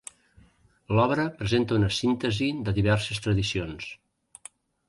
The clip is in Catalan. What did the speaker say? L'obra presenta una síntesi de diverses tradicions.